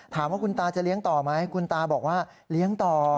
ถามว่าคุณตาจะเลี้ยงต่อไหมคุณตาบอกว่าเลี้ยงต่อ